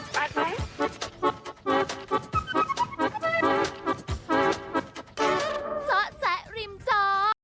สะแสริมจอด